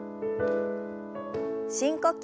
深呼吸。